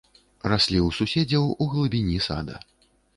Раслі ў суседзяў у глыбіні сада.